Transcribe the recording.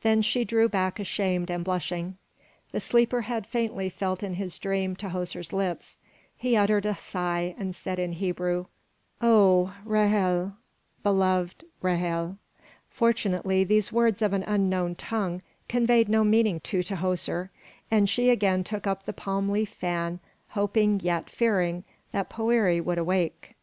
Then she drew back ashamed and blushing. The sleeper had faintly felt in his dream Tahoser's lips; he uttered a sigh and said in Hebrew, "Oh, Ra'hel, beloved Ra'hel!" Fortunately these words of an unknown tongue conveyed no meaning to Tahoser, and she again took up the palm leaf fan, hoping yet fearing that Poëri would awake.